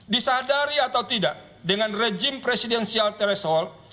disadari atau tidak dengan rejim presidensial threshold